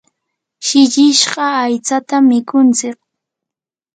shillishqa aytsatam mikuntsik.